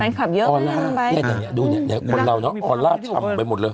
แฟนคลับเยอะเนี่ยเนี่ยเนี่ยเนี่ยดูเนี่ยเนี่ยคนเราน้องออลลาร์ชำไปหมดเลย